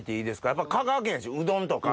やっぱ香川県やしうどんとか？